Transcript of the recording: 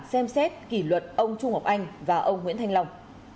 xem xét kỷ luật ông trung ngọc anh và ông nguyễn thanh long